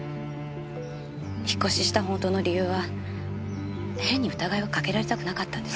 引っ越しした本当の理由は変に疑いをかけられたくなかったんです。